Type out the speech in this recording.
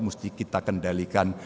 mesti kita kendalikan